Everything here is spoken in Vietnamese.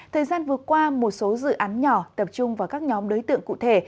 thời gian vừa qua một số dự án nhỏ tập trung vào các nhóm đối tượng cụ thể